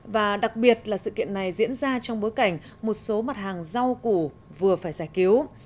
và đặc biệt là sự kiện này diễn ra trong bối cảnh một số mặt hàng rau củ vừa phải giải cứu